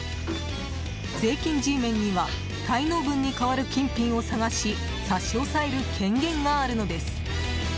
税金Ｇメンには滞納分に代わる金品を探し差し押さえる権限があるのです。